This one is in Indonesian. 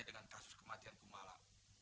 dengan kasus kematian kumala